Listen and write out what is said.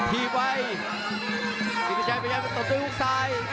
พี่ไวขนาดเป็นแสดงต่อไปแล้วกับซ้าย